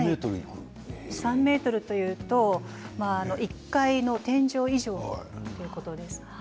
３ｍというと１階の天井以上ということです。